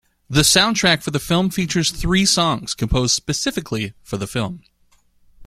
The soundtrack for the film features three songs composed specifically for the film.